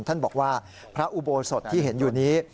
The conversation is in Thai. ท่านบอกว่าพระอุโบสถที่เห็นอยู่นี้